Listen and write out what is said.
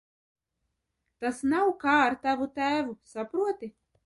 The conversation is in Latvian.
Tas nav, kā ar tavu tēvu, saproti?